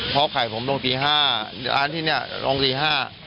เพราะไข่ผมตรงตีห้าจุดตอนที่เนี้ยตรงตีห้า